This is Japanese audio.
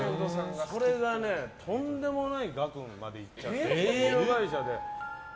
それがね、とんでもない額までいっちゃって。